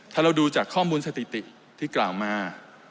ถ้าเราดูจากข้อมูลสถิติที่กล่าวมา